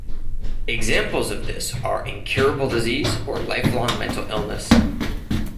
Examples of this are incurable disease or lifelong mental illness.